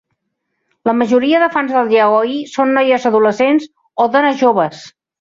La majoria de fans del yaoi són noies adolescents o dones joves.